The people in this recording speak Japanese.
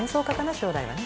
将来はね」